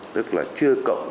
tức là chưa cộng